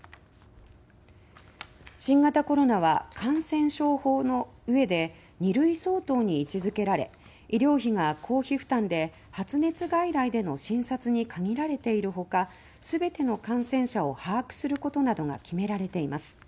新型コロナは感染症法の上で２類相当に位置づけられ医療費が公費負担で発熱外来での診察に限られているほか全ての感染者を把握することなどが決められています。